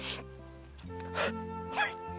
はい！